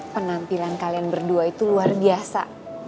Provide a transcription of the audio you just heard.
penampilan kalian berdua itu luar biasa